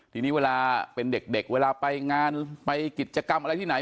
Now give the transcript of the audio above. ทีนี้เวลาเป็นเด็กเวลาไปงานไปกิจกรรมอะไรที่ไหน